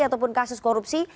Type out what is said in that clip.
ataupun kasus korupsi